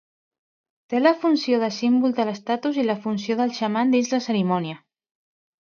Té la funció de símbol de l'estatus i la funció del xaman dins la cerimònia.